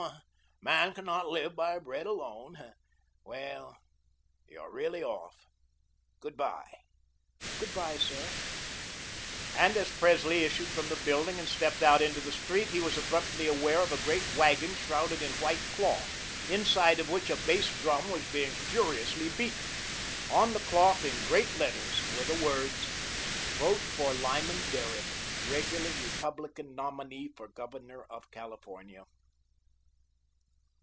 'Man cannot live by bread alone.' Well, you're really off. Good bye." "Good bye, sir." And as Presley issued from the building and stepped out into the street, he was abruptly aware of a great wagon shrouded in white cloth, inside of which a bass drum was being furiously beaten. On the cloth, in great letters, were the words: "Vote for Lyman Derrick, Regular Republican Nominee for Governor of California."